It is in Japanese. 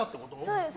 そうです。